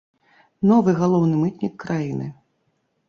Новы галоўны мытнік краіны.